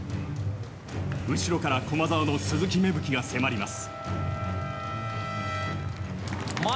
後ろから駒澤の鈴木芽吹が迫ります。